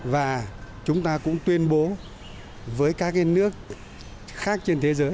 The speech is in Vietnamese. và chúng ta cũng tuyên bố với các nước khác trên thế giới